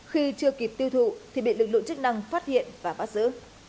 khi chưa kịp tiêu thụ thì bị lực lượng chức năng phát hiện và bắt giữ